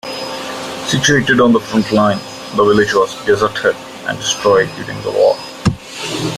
Situated on the frontline, the village was deserted and destroyed during the war.